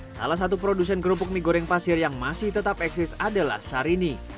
salah satu produsen kerupuk mie goreng pasir yang masih tetap eksis adalah sarini